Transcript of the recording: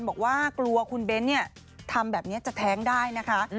บอกว่ากลัวคุณเบ้นทำแบบนี้จะแท้งได้นะคะ